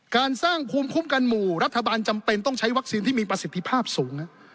การสร้างภูมิคุ้มกันหมู่รัฐบาลจำเป็นต้องใช้วัคซีนที่มีประสิทธิภาพสูง